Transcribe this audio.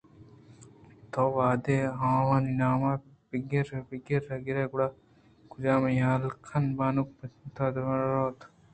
تو وہدے آوانی نام ءَ بیرگ بیرگ ءَ گرے گُڑاکجا منی حیال بانک ءِ پنتاں نہ روت اِنت